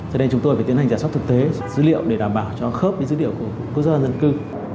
cho nên chúng tôi phải tiến hành giả soát thực tế dữ liệu để đảm bảo cho khớp với dữ liệu của quốc gia dân cư